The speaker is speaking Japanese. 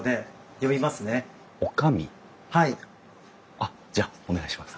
あっじゃあお願いします。